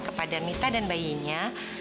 kepada mita dan bayinya